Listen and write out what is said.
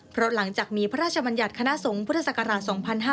เพราะหลังจากมีพระราชบัญญัติคณะสงฆ์พุทธศักราช๒๕๕๙